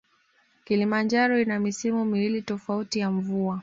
Kilimanjaro ina misimu miwili tofauti ya mvua